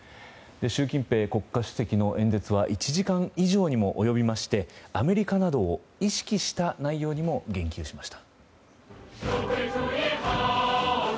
習近平国家主席の演説は１時間以上にも及びましてアメリカなどを意識した内容にも言及しました。